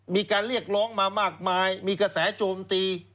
มีการเรียกร้องมามากมายมีกระแสโจมตี